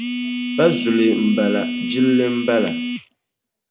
Pa zuli m-bala jilli m-bala.